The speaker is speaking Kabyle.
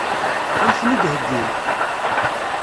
Ad m-ten-id-heggin?